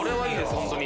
本当に。